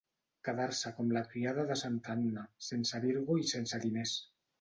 Quedar-se com la criada de santa Anna, sense virgo i sense diners.